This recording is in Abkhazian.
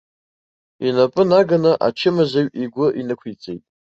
Инапы наганы ачымазаҩ игәы инықәиҵеит.